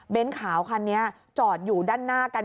ขาวคันนี้จอดอยู่ด้านหน้ากัน